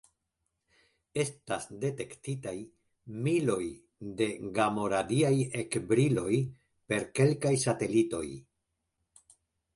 Estas detektitaj miloj de gamo-radiaj ekbriloj per kelkaj satelitoj.